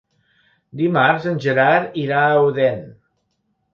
Dimarts en Gerard irà a Odèn.